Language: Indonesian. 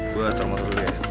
gua atur motor dulu ya